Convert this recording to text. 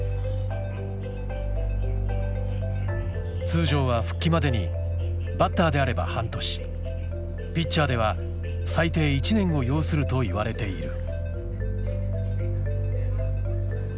通常は復帰までにバッターであれば半年ピッチャーでは最低１年を要するといわれている。